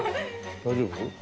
大丈夫？